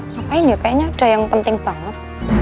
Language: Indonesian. ngapain ya kayaknya ada yang penting banget